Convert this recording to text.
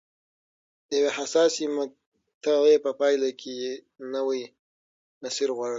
د یوې حساسې مقطعې په پایله کې یې نوی مسیر غوره کړ.